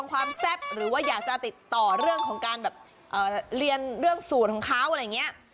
ค้าวอีกอย่างเนี้ย